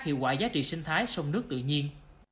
hiệu quả giá trị sinh thái sông nước tự nhiên